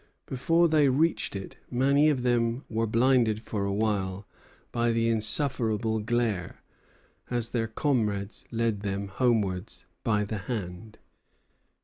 Before they reached it many of them were blinded for a while by the insufferable glare, and their comrades led them homewards by the hand.